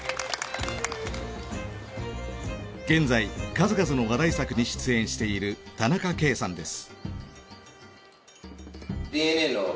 現在数々の話題作に出演している田中圭さんです。